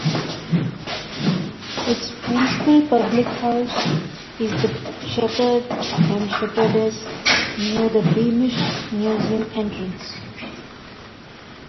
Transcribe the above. Its principal public house is the Shepherd and Shepherdess, near the Beamish Museum entrance.